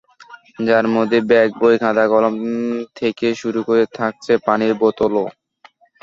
যার মধ্যে ব্যাগ, বই, খাতা, কলম থেকে শুরু করে থাকছে পানির বোতলও।